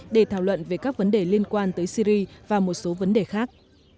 để thảo luận về các vấn đề liên quan tới syri và một số vấn đề khác